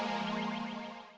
ibu yang menjaga saya